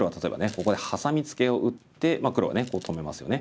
ここでハサミツケを打って黒はねこう止めますよね。